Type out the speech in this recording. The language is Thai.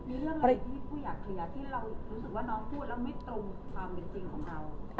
มีเรื่องอะไรที่ผู้อยากเคลียร์ที่เรารู้สึกว่าน้องพูดแล้วไม่ตรงความเป็นจริงของเรา